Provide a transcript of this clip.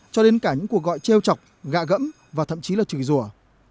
cho đến cả những cuộc gọi trêu chọc gạ gẫm và thậm chí là trừ dùa